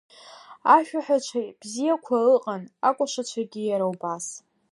Ашәаҳәацәа бзиақәа ыҟан, акәашацәагьы иара убас…